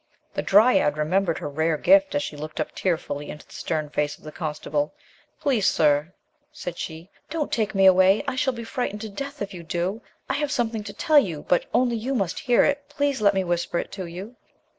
The dryad remembered her rare gift, as she looked up tearfully into the stern face of the constable. "Please, sir," she said, "don't take 12 THE LOST DRYAD me away ; I shall be frightened to death if you do. I have something to tell you, but only you must hear it. Please let me whisper it to you."